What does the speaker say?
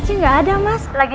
tau nggak sudah seharusnya lagi